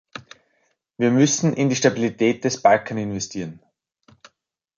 Wir müssen in die Stabilität des Balkan investieren.